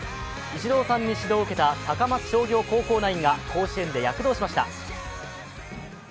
イチローさんに指導を受けた高松商業高校ナインが甲子園で躍動しました。